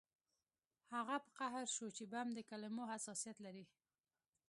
هغه په قهر شو چې بم د کلمو حساسیت لري